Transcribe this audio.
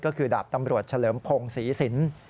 ก็คือดาบตำรวจเฉลิมพงศรีสิน